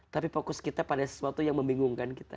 tapi fokus kita pada sesuatu yang membingungkan kita